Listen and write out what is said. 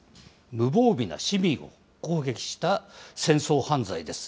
無防備な市民を攻撃した戦争犯罪です。